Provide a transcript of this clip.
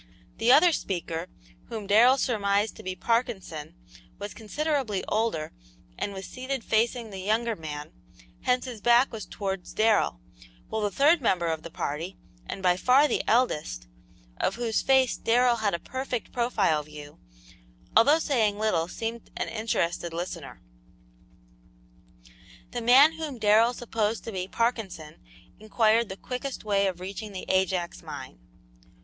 The other speaker, whom Darrell surmised to be Parkinson, was considerably older and was seated facing the younger man, hence his back was towards Darrell; while the third member of the party, and by far the eldest, of whose face Darrell had a perfect profile view, although saying little, seemed an interested listener. The man whom Darrell supposed to be Parkinson inquired the quickest way of reaching the Ajax mine.